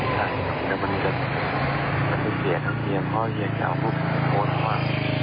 ใช่แต่มันจะเป็นเกลียดทั้งเกียรติเพราะเกลียดทั้งเกียรติว่า